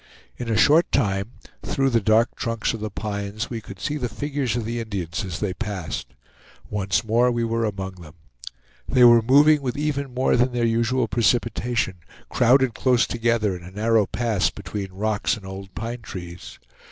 In a short time, through the dark trunks of the pines, we could see the figures of the Indians as they passed. Once more we were among them. They were moving with even more than their usual precipitation, crowded close together in a narrow pass between rocks and old pine trees.